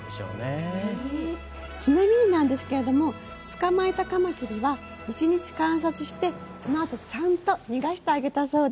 ちなみになんですけれども捕まえたカマキリは１日観察してその後ちゃんと逃がしてあげたそうです。